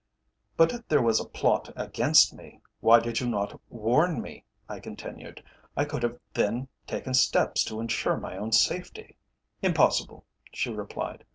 "But if there was a plot against me, why did you not warn me?" I continued. "I could then have taken steps to insure my own safety." "Impossible," she replied.